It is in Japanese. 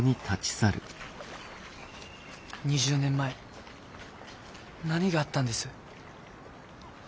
２０年前何があったんです？